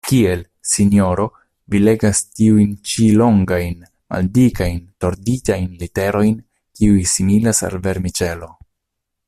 Kiel, sinjoro, vi legas tiujn ĉi longajn, maldikajn torditajn literojn kiuj similas al vermiĉelo?